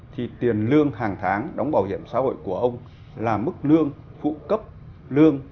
thì tiền lương hàng tháng đóng bảo hiểm xã hội của ông là mức lương phụ cấp lương